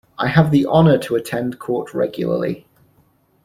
I have the honour to attend court regularly.